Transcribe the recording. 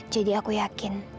jadi aku yakin